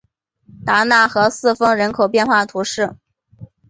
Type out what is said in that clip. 达讷和四风人口变化图示